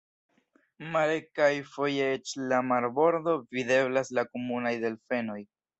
Mare kaj foje eĉ el la marbordo videblas la komunaj delfenoj.